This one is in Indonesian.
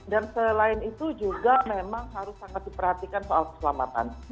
dan selain itu juga memang harus sangat diperhatikan soal keselamatan